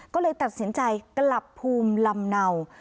ก็เลยตัดสินใจกลับภูมิลำเนา